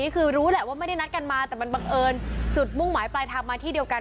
คือรู้แหละว่าไม่ได้นัดกันมาแต่มันบังเอิญจุดมุ่งหมายปลายทางมาที่เดียวกัน